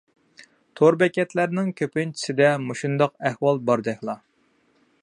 تور بېكەتلەرنىڭ كۆپىنچىسىدە مۇشۇنداق ئەھۋال باردەكلا.